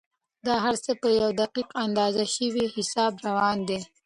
دا هر څه په یو دقیق او اندازه شوي حساب روان دي.